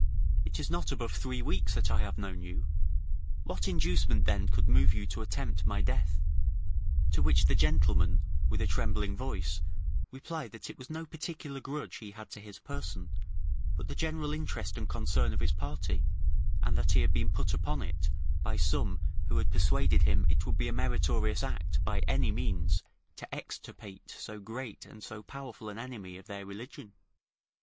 It is not above three weeks that I have known you; what inducement, then, could move you to attempt my death?" To which the gentleman with a trembling voice replied, "That it was no particular grudge he had to his person, but the general interest and concern of his party, and that he had been put upon it by some who had persuaded him it would be a meritorious act, by any means, to extirpate so great and so powerful an enemy of their religion."